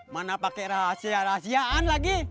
mana pakai rahasia rahasiaan lagi